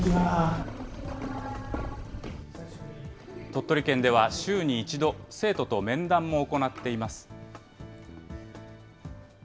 鳥取県では週に１度、生徒と面談も行っています。